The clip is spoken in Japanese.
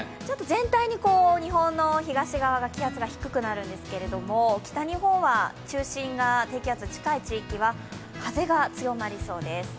全体に日本の東側が気圧が低くなるんですが北日本は中心が低気圧近い地域は風が強まりそうです。